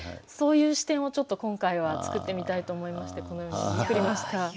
そういう視点をちょっと今回は作ってみたいと思いましてこのように作りました。